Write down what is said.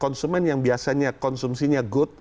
konsumen yang biasanya konsumsinya good